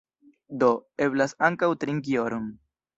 Do, eblas ankaŭ trinki oron.